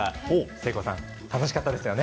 誠子さん楽しかったですよね。